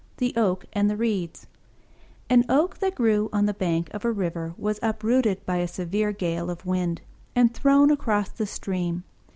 THE OAK AND THE REEDS An Oak that grew on the bank of a river was uprooted by a severe gale of wind, and thrown across the stream.